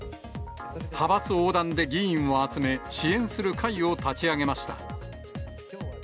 派閥横断で議員を集め、支援する会を立ち上げました。